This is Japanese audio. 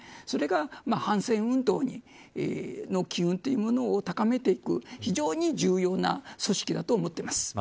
それが反戦運動の機運というものを高めていく非常に重要な組織だと思っています。